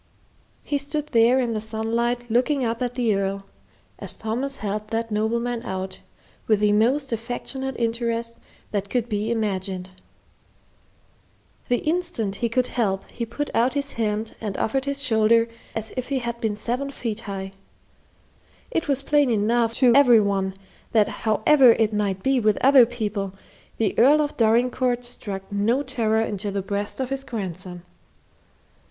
He stood there in the sunlight looking up at the Earl, as Thomas helped that nobleman out, with the most affectionate interest that could be imagined. The instant he could help, he put out his hand and offered his shoulder as if he had been seven feet high. It was plain enough to every one that however it might be with other people, the Earl of Dorincourt struck no terror into the breast of his grandson.